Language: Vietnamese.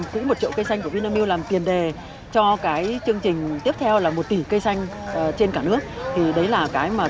khi bạn muốn quành ngựa bên bên phải